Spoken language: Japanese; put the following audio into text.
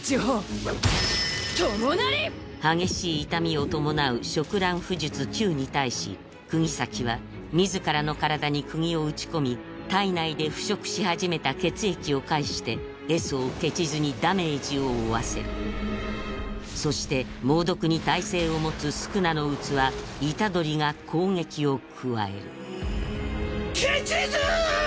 激しい痛みを伴う蝕爛腐術「朽」に対し釘崎は自らの体に釘を打ち込み体内で腐食しはじめた血液を介して壊相血塗にダメージを負わせるそして猛毒に耐性を持つ宿儺の器虎杖が攻撃を加える血塗！